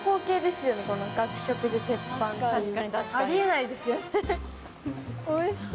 あり得ないですよね。